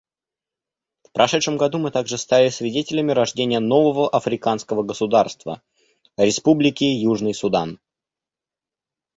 В прошедшем году мы также стали свидетелями рождения нового африканского государства — Республики Южный Судан.